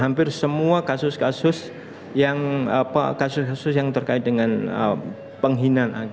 hampir semua kasus kasus yang terkait dengan penghinaan